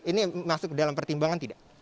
ini masuk dalam pertimbangan tidak